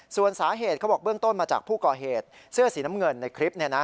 ส่วนสาเหตุเขาบอกเบื้องต้นมาจากผู้ก่อเหตุเสื้อสีน้ำเงินในคลิป